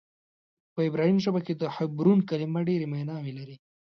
په عبراني ژبه کې د حبرون کلمه ډېرې معناوې لري.